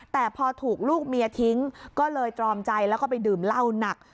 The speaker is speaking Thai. แต่พอถูกลูกเมียทิ้งก็เลยตรอมใจแล้วก็ไปดื่มเหล้าหนัก